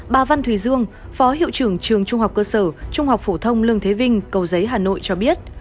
bà văn thùy dương phó hiệu trưởng trường trung học cơ sở trung học phổ thông lương thế vinh cầu giấy hà nội cho biết